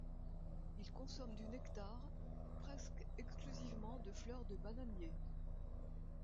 Il consomme du nectar presque exclusivement de fleurs de bananier.